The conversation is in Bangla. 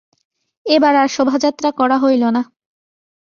এবার আর শোভাযাত্রা করা হইল না।